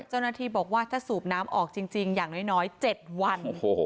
เจ้าหน้าที่บอกว่าถ้าสูบน้ำออกจริงอย่างน้อย๗วัน